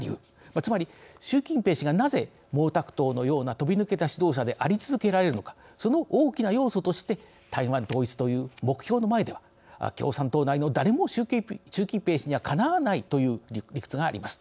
つまり、習近平氏がなぜ毛沢東のような飛びぬけた指導者でありえるかその大きな要素として台湾統一という目標の前では共産党内の誰も習近平氏にはかなわないという理屈があります。